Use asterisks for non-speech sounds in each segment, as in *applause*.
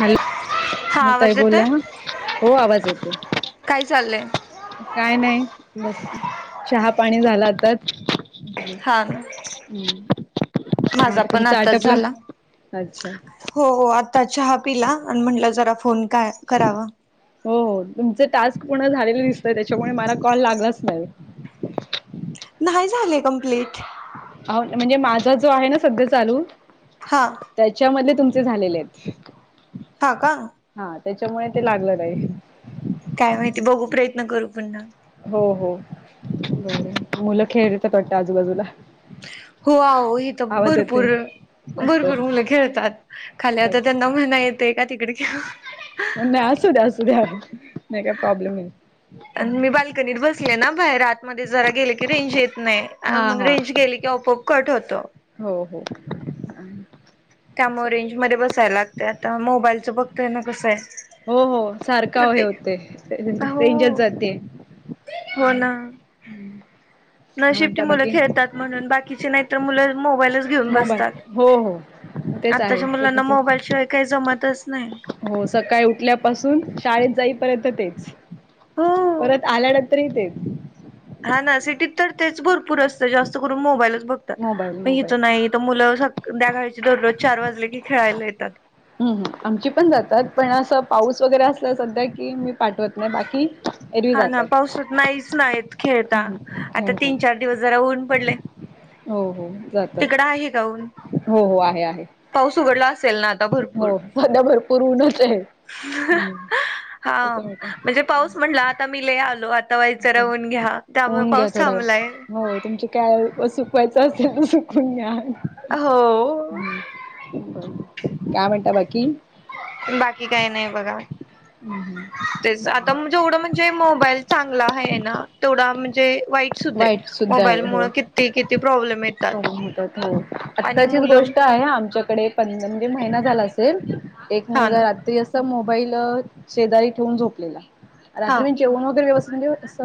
Hello हा ह ताई आवाज येतोय बोला हो आवाज काय चाललंय येतोय काय नाय बसलोय चहापाणी झालं आताच हल हा ना हम्म त्या माझा म्हटलं पण तुमचं आताच आटपलं झाला अच्छा हो हो आत्ता चहा पिला आणि म्हटलं जरा फोन काय करावा हो हो तुमच टास्क पूर्ण झालेले दिसतंय त्याच्यामुळे मला कॉल लागलाच नाही न्हाही झाले कम्प्लिट अ म्हणजे माझा जो आहे ना सध्या चालू हा त्याच्यामधले तुमचे झालेले आहेत हा का हा त्याच्यामुळे ते लागलं नाही काय माहिती बघू प्रयत्न करू पुन्हा हो हो बर मुलं खेळतायत वाटत आजूबाजूला हो आहो हित आवाज येतोय. भरपूर असतात भरपूर मुलं खेळतात खाली आता त्यांना नाही येते का तिकडे घेऊ नाय आसू द्या आसू द्या नाही काय प्रॉब्लेम नाही. न मी बाल्कनीत बसले ना बाहेर आतमध्येध्ये जरा गेले की रेंज येत नाही अ हा मग हा रेंज गेली की ओपोआप कट होतो हो हो त्यामुळे चालेल. रेंजमध्ये बसायला लागत आता मोबाईलचं बघतोय ना कसं हाय हो हो सारखा ह्यो होतय हो रेंजच जाते हो ना काय नशिब ती म्हणता मुलं बाकी? खेळतात म्हणून बाकीचे नाहीतर मुलं मोबाईलच घेऊन मोबाईल बसतात हो हो तेच आहे आताच्या मुलांना सध्याचे मोबाईलशिवाय काही जमतच नाही हो सकाळी उठल्यापासून शाळेत जाईपर्यंत तेच हो. परत आल्यानंतर त्री तेच. हा ना सिटीत तर तेच भरपूर असतं जास्त करून मोबाईलच बघ. मोबाईल प हित मोबाईल नाही हित मुलं संद्याकाळची दररोज चार वाजले की खेळायला येतात. हम्म हम्म आमची पण जातात पण असं पाऊस वगैरे असला सध्या कि मी पाठवत नाही बाकी. एरवी हा ना जातात पावसात नाहीच ना येत खेळता आता खेळत तीन चार दिवस जरा ऊन पडलय. हो हो तिकडं आहे का ऊन जातात हो हो आहे आहे. पाऊस उघडला असेल ना. हो भरपूर सदा भरपूर ऊनच आहे. हम्म हा त्याच्यामुळे काय म्हणजे पाऊस म्हटला आता मी ल आलो आ. तवायच रवून घ्या त्यामुळे पाऊस थांबलाय. तुमचे काय सुकवायचं असेल सुकून घ्या. हो. हम् का म्हनट बाकी. बाकी काही नाही बघा. तेच आता जेवढं म्हणजे मोबाईल चांगला आहे ना तेवढा म्हणजे. वाईट सुधे सुद्धा मोबाईल आहे हो मु किती किती प्रॉब्लेम येतात. करून होतात हो आणि आत्ताचीच मुलं गोष्ट आहे आमच्याकडे प म्हणजे महिना झाला असेल एक हा मुलगा ना रात्री अस. ल शेजारी ठे हा झ. जेवण वगैर व्यवथ म्हणजे असे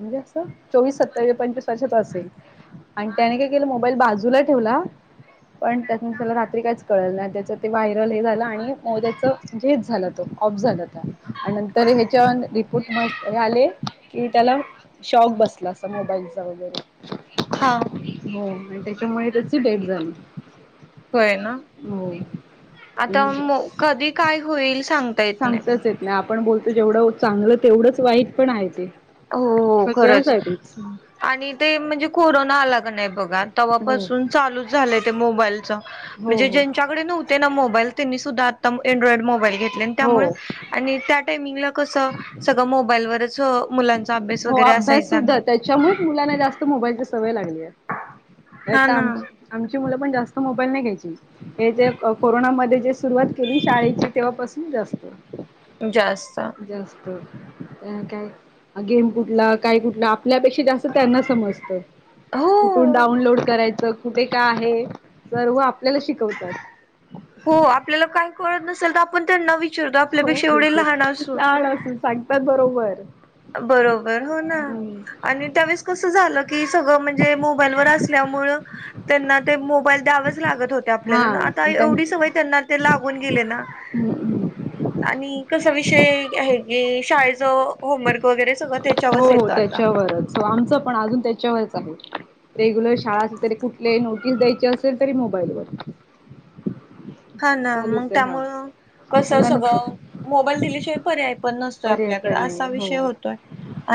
म्हणजे असं चोवीस सत्तर पंचवीस असेल. आणि त्याने काय केलं मोबाईल बाजूला ठेवला. पण त्यातन त्याला रात्री काहीच कळल नाही त्याच ते व्हायरल हे झालं आणि मग त्याच. णजेच झाला तो ऑफ झाला त आणि नंतर ह्याच्या रिपोरी मस्त हे आले. कि त्याला शॉक बसला अस मोबाईलचा वगैरे. हा. हो आणि त्याच्यामुळे त्याच लेट झाल. होय ना आता म कधी काय होईल सांग. सांगताच येत ना आपण बोलतो जेवढं चांगलं तेवढंच वाईट पण आहे ते. हो हो खरच सगळ्यासाठीच आणि ते म्हणजे कोरोना आला. म्ह हो ज. हो हो न ना मोबाईल त्यांनी सुद्धा आ अड्रॉइड मोबाईल घेतले हो त्यामुळे. आणि त्या टाइमिंगला कसं सगळं मोबाईलवरच मुलांचा अभ्यास हो वगैरे अभ्यास असायचा ना. सुद्धा त्याच्यामुळेच मुलांना जास्त मोबाईलची सवय लागली आहे हा आता ना आमची. आमची मुलं पण जास्त मोबाईल नाही घ्यायची. हे जे कोरोनामध्ये जे सुरुवात केली शाळेची तेव्हापासून असत. जास्त. जास्त काय गेम कुठला काय कुठलं. आपल्यापेक्षा जास्त त्यांना समजतं हो कुठून डाउनलोड करायचं. कुठे काय आहे सर्व आपल्याला शिकवतात. हो आपल्याला काही कळत नसेल तर आपण नवी. हो हो लान असून सांगतात बरोबर. बरोबर हो ना. हम्म आणि त्यावेळेस कसं झालं की सगळं म्हणजे मोबाईलवर असल्यामुळ. त्यांना ते मोबाईल द्यावच लागत होत. आपल्याला आता हा त्यांच एवढी सवय त्यांना ते लागून गेले ना. आणि कसा विषय आहे की शाळेचं होमवर्क वगैरे सगळं. हो त्याच्यावरच हो येतं आता. त्याच्यावरच. आमचं पण अजून त्याच्यावरच आहे रेग्युलर शाळा अस तरी कुठले नो. द्यायचे असेल तरी मोबाईलवर. हा ना मग चालूच आहे हा त्यामुं कसं मुलांनाच होत सगळं मोबाईल दिल्याशिवाय पर्या आहे. ण नसतोय पर्याय आपल्याकड पण असा नाहीये हो विषय होतोय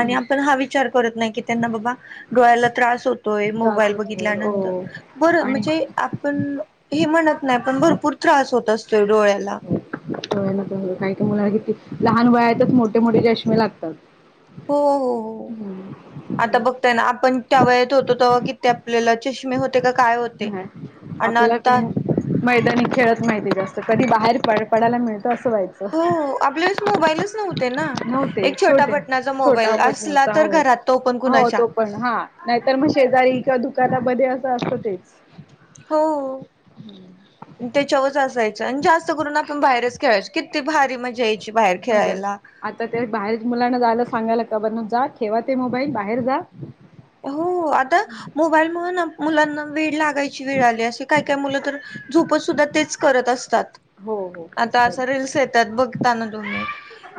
आणि आपण हा. विचार करत नाही की त्यांना बाबा डोळ्याला त्रास होत होय त्रास मोबाईल होतोय बघितल्यानंतर हो बर आणि म्हणजे पण हे म्हणत नाही पण भरपूर त्रास होत असतो डोळ्यांना. काही मुलाला किती लहान वयातच मोठे मोठे चष्मे लागतात. हो हो आता बघताय ना आपण त्या वयात होतो तेव्हा कि ते आपल्याला चष्मे होते का काय होते. ते नाही आण आपल्याला काय आता मैदानी खेळच माहिती नसते कधी बाहेर पर-पडायला मिळतं अस व्हायचं. हो आपल्या वेळेस मोबाईलच नव्ह तेना नव्हते एक छोटा छोटे बटणाचा छोटा मोबाईल असला बटणाचा तर हो घरात तोपण हो कुणाच्या. तो पण हां नाहीतर म शेजारी किंवा दुकानामध्ये असं असतं तेच हो हो *inaudible* तेच्यावरच असायचं अन् जास्त करून आपण बाहेरच खेळायचो किती भारी मज्जा याय ची बाहेर मजाच खेळायला. आता तेच बाहेर मुलांना जायला सांगाय लागतं बर मग जात ठेवा ते मोबाईल बाहेर जा. हो आता मोबाईलमुळं ना मुलांना वेड लागायची वेळ आल्या अशी काय काय मुलं तर झोपत सुुद्धा तेच करत असतात. हो हो आता असतात असं रील्स येत्यात बघता ना तुम्ही.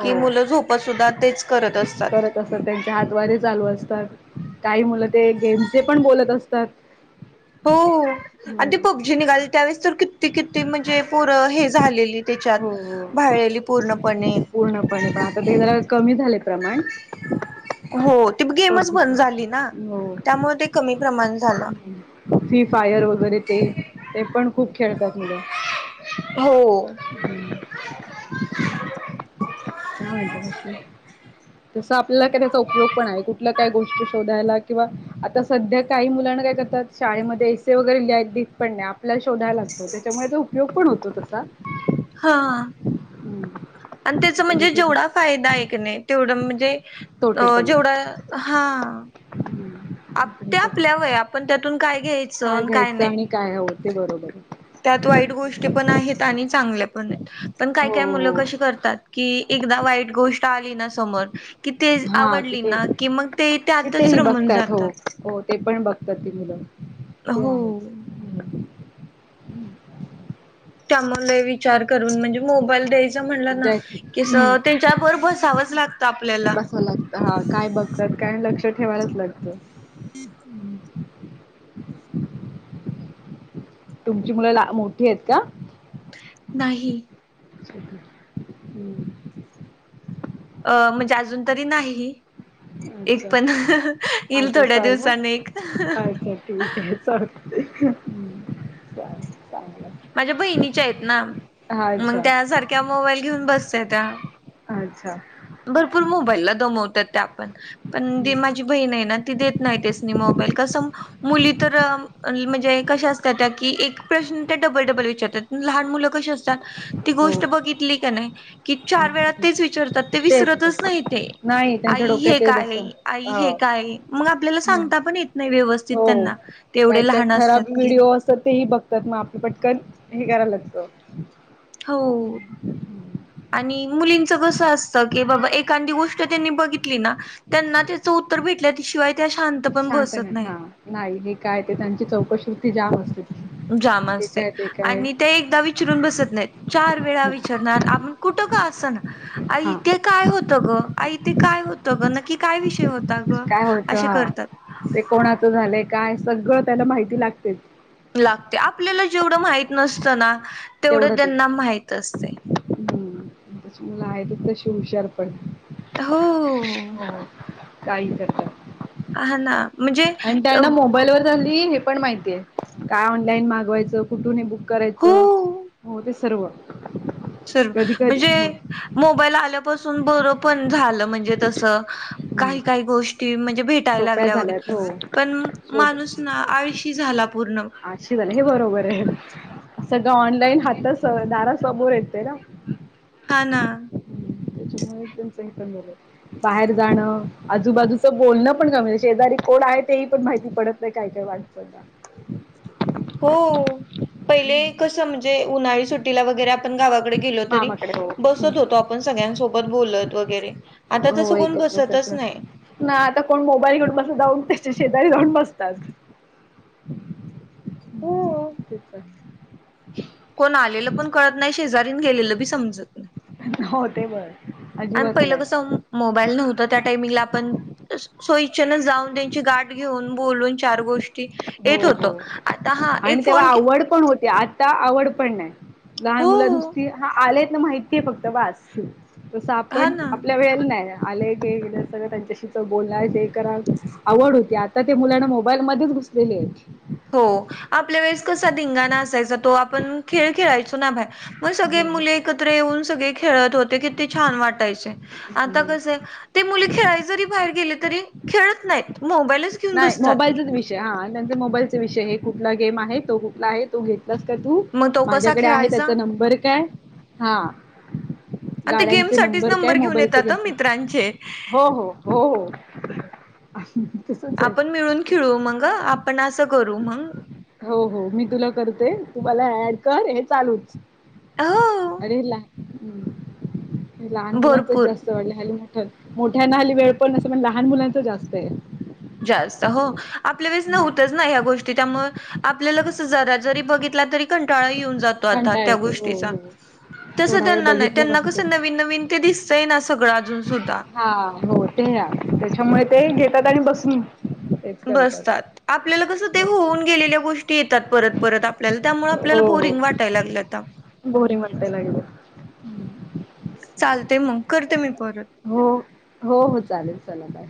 की मुलं झोपत सुद्धा तेच करत असतात. तस त्यांचे हातवारे चालू असतात काही मुलं ते गेमचे पण बोलत असतात. हो हो आन् ते हम्म पब्जी निघालं त्यावेळेस तर किती किती म्हणजे पोरं हे झालेली त्याच्यात. हो हो भाळलेली पूर्णपणे. पूर्णपणे पण आता ते जरा कमी झालंय प्रमाण. हो ते गेमचं पबजीच बंद झाली ना. हो त्यामुळे ते कमी प्रमाण झालं. फ्री फायर वगैरे ते. ते पण खूप खेळतात मुलं. हो. काय म्हणते बाकी *inaudible* जसं आपल्याला काय त्याचा उपयोग पण आहे. कुठलं काय गोष्ट शोधायला किंवा आता सध्या काही मुलांना काय करतात. शाळेमध्ये एसे वगैरे लिहाय दित पण नाय आपल्याल शोधाय लागतो त्याच्यामुळे तो उपयोग पण होतो तसा. हां हं. आणि त्याचं कधी म्हणजे कधी जेवढा फायदा आहे किनाय तेवढं म्हणजे. तोटे अं पण आहेत. जेवढं हां *inaudible* आप ते कधी आपल्यावयात आपण त्यातून काय घ्यायचं अन् काय घ्यायचं नाय. आणि काय होत ते बरोबर त्यात वाईट गोष्टीपण आहेत आणि चांगल्यापणेत. पण काही हो, काय मुलं हो. कशी करतात की एकदा वाईट गोष्ट आलीना समोर, की तेज हां आवडली ते ना कि मग ते कि त्यातच तेही रमून बघतात हो. जातात. हो तेपण बरोबर प्रति मुलं हो. त्यामुळे विचार करून म्हणजे मोबाईल द्यायचा म्हणलं ना. जायचं कस हं. त्यांच्याबरोबर बसावचं लागतं आपल्याला. हा काय बघतात काय लक्ष ठेवायलाचं लागतं. *inaudible* तुमची मुलं ला मोठीयेत का? हं नाही झोपले. हम्म अ म्हणजे अजून तरी नाही. एक अच्छा पण हं हं इल अच्छा थोड्या सॉरी ह दिवसाने एक अहं अच्छा हं. ठीक आहे चालतयं. माझ्या बहिणीच्यायेत ना, मंग अच्छा त्या सारख्या मोबाईल घेऊन बसत्याता. अच्छा. भरपूर मोबाईला दमवतात त्या पण, पण दे हम्म, मा ती बहिण आहे ना ती देत नाही त्यासनी मोबाईल कस मुली तर म्हणजे कशा असतात त्या की एक प्रश्न त्या डबल डबल विचारतात. लहान मुलं कशी असतात ती हो गोष्ट हा, बघितली का नाही की चार वेळा ठीक तेच आहे. विचारतात. ते तेच ते. विसरतच नाही ते नाही त्यांच्या आई डोक्यात हे ते बस काय हो आई हे काय मंग आपल्याला हम्म, सांगता पण येतं नाही व्यवस्थित हो त्यांना काय तेवढे काय लहान खराब की व्हिडिओ असतात तेही बघतात मग आपलं पटकन हे करायला लागतं. हो हम्म. आणि मुलींचं कसं असतं की बाबा एखदी गोष्ट त्यांनी बघितली ना. त्यांना त्याचं उत्तर भेटल्याशिवाय त्या शांत पण बसत नाही. नाही हे काय ते त्यांची चौकशीती जाम असते. जाम ते असते काय ते काय आणि ते एकदा चरून बसत नाही चार वेळा विचारणार आपण कुठं का असना. आई हा ते काय होतं ग आई ते काय होतं ग नक्की काय विषय होत. काय होत हा ते कोणाचं झालंय काय सगळं त्याला माहिती लागते. लागते आपल्याला जेवढं माहित नसतं ना तेवढं त्यांना माहित असते. हम्मं मूल आहेच तशी हुशार पड. हो हो काही करतात. हा ना म्हणजे अ म्हणली हे पण माहित काय ऑनलाईन मागवायचं कुठ हे बुक करायच. हो सर्व सर् कधी कधी म्हणजे हो मोबाईल आल्यापासून बरं पण झालं म्हणजे तसं. काही काही गोष्टी म्हणजे भेटायला सोप्या लागल्या वगैरे. झाल्यात हो पण शोध माणूस ना आळशी झाला पूर्ण. शे झालं हे बरोबर आहे सगळं ऑनलाईन हात दार समोर येते ना. हा ना. *unintelligible* बाहेर जाणं आजूबाजूच बोलणं पण *unintelligible* शेजारीकोण आहे ते पण माहिती पडतं नाही काय काय पजा हो पहिले कसं म्हणजे उन्हाळी सुट टीला वगैरे आपण गावाकडे गेलो तरी मामाकडे बसत होतो आपण सगळ्यांसोबत बोलत वगैरे आता तसं हो कोण एकत्रच बसतच नाही. त्याच ना आता कोण मोबाईल घेऊन बसत जाऊन त्याच्या शेजारी जाऊन बसतात. हो ते आहे. कोण आलेलं पण कळत नाही शेजारीन गेलेलं बी समजत नाही. हो ते बर अजिबात पहिलं नाही. कसं मोबाईल नव्हता त्या टायमिंगला आपण स्वयीच्छेन जाऊन त्यांची गाठ घेऊन बोलून चार गोष्टी हो येत होतो हो. आता हा एक आणि तेव्हा फोन आवड पण होते आता आवड पण नाही लहान हो मुल नुसती हा आले ना माहिती ये फक्त बास तस हा आपण ना आपल्या वेळेला नाही. आलेय सगळं त्यांच्याशी बोलय ते करा आवड होती आ तर ते मुलांना मोबाईलमध्येच घुसलेले आहेत. हो आपल्या वेळेस कसा धंगाणा असायचा तो आपण खेळ खेळायचो ना बाहेर. मग सगळे हो. मुले एकत्र येऊन सगळे खेळत होते किती छान वाटायचे. आता कसं आहे ते मुली खेळाय जरी बाहेर गेले तरी खेळत नाहीत. मोबाईलच घेऊन नाही बसतात मोबाईलचाच विषय हा त्यांचा मोबाईलचा विषय हे कुठला गेम आहे तो कुठला आहे तो घेत. स का तू मग तो कसा माझ्याकडे आहे खेळायचा त्याचा नंबर काय हा. आणि ते गाड्यांचे गेमसाठीच नंबर काय घेऊन मोबाईलचे येतात त्यांचे मित्रांचे हो हो. हो. तसच आहे. आपण मिळून खिळू मग आ. हो हो मी तुला करते तु मला ऍड कर हे चालूच अरे हो लान लहान मुलांच भरपूर जास्त वाढलं ह. मोठ्याना जास्त हो आपल्या वेळेस नव्हतंच ना ह्या गोष्टी त्यामूळ आपल्याला कस जरा जरी बघितला तरी कंटाळा येऊन जातो. आ कंटाळा त्या येतो हो गोष्टीचा हो तस थोडा वेळ त्यांना बघितलं त्यांना बाकीच कस नवीन नवीन ते दिसतय ना सग हा हो ते ना त्याच्यामुळे ते घेतात आणि बसून तेच करतात. बसतात आपल्याला कसं ते हो होऊन गेलेल्या गोष्टी येतात परत परत आपल्याला त्यामुळे आपल्याला बोरिंग वाटायला लागलं आता ह. बोरीग वाटा लागलं. चालते मग करते मी परत हो हो हो चालेल चला बाय.